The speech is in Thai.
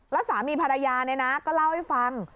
แล้วสามีภรรยาเนี่ยนะก็เล่าให้ฟัง